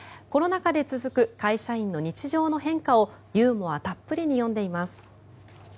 コロナ禍で続く会社員の日常の変化をユーモアたっぷりに詠んでいます。